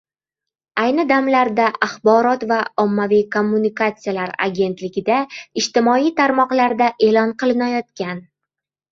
Ayni damlarda Axborot va ommaviy kommunikatsiyalar agentligida “Ijtimoiy tarmoqlarda e’lon qilinayotgan